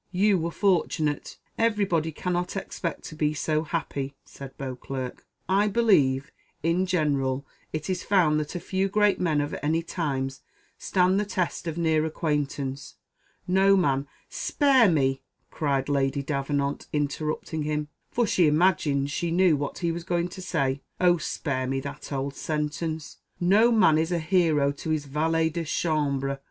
"You were fortunate. Every body cannot expect to be so happy," said Beauclerc. "I believe, in general it is found that few great men of any times stand the test of near acquaintance. No man " "Spare me!" cried Lady Davenant, interrupting him, for she imagined she knew what he was going to say; "Oh! spare me that old sentence, 'No man is a hero to his valet de chambre.